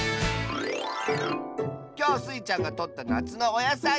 きょうスイちゃんがとったなつのおやさい。